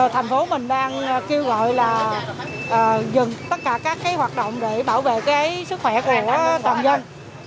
thành phố mình đang kêu gọi là dừng tất cả các cái hoạt động để bảo vệ cái sức khỏe của tầm dân